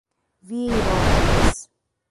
Vieirópolis